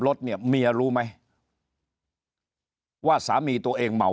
รถเนี่ยเมียรู้ไหมว่าสามีตัวเองเหมา